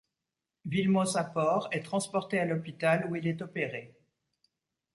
Vilmos Apor est transporté à l'hôpital où il est opéré.